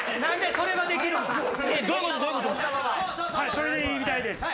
それでいいみたいです。